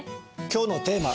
今日のテーマ